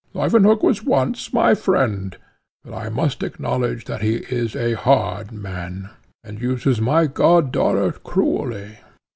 Leuwenhock was once my friend, but I must acknowledge that he is a hard man, and uses my god daughter cruelly.